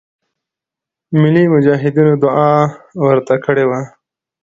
ملی مجاهدینو دعا ورته کړې وه.